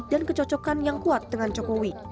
dan kecocokan yang kuat dengan jokowi